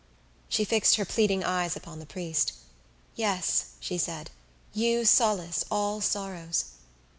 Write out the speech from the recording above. She fixed her pleading eyes upon the priest. "Yes," she said, "you solace all sorrows."